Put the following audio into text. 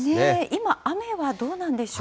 今、雨はどうなんでしょう。